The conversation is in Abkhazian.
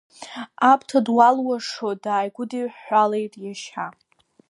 Аԥҭа дуалуашо дааи-гәыдиҳәҳәалеит иашьа.